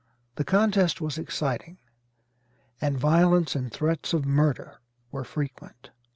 The contest was exciting, and violence and threats of murder were frequent.